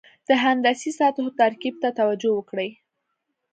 د هندسي سطحو ترکیب ته توجه وکړئ.